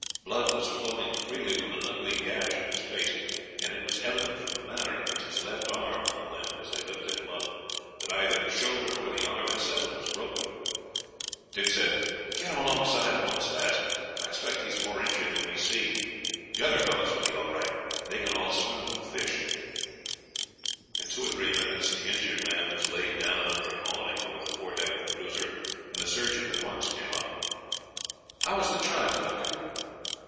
Blood was flowing freely from an ugly gash in his face, and it was evident from the manner in which his left arm hung limp, as they lifted him up, that either the shoulder or the arm itself was broken. "Get him alongside at once, lads," Dick said. "I expect he is more injured than we see. The other fellows will be all right; they can all swim like fish." In two or three minutes the injured man was laid down under an awning over the fore deck of the cruiser, and the surgeon at once came up. "How is the child, Doctor?"